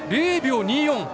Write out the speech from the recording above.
０秒２４！